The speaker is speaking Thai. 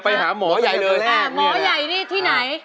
ไปหาหมอใหญ่เลยอ่าหมอใหญ่นี่ที่ไหน